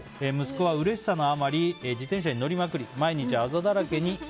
息子はうれしさのあまり自転車に乗りまくり毎日あざだらけに。